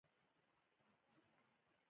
کجکي بند بریښنا او اوبه ورکوي